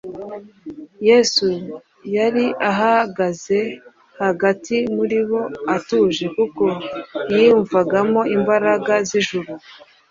Yesu yari ahagaze hagati muri bo atuje, kuko yiyunvagamo imbaraga z'ijuru;